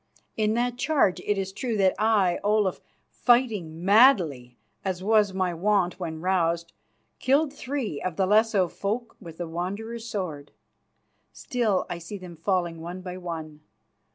In that charge it is true that I, Olaf, fighting madly, as was my wont when roused, killed three of the Lesso folk with the Wanderer's sword. Still I see them falling one by one.